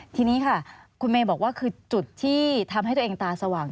ทีนี้ค่ะคุณเมย์บอกว่าคือจุดที่ทำให้ตัวเองตาสว่าง